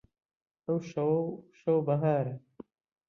ئەوشەو شەو بەهارە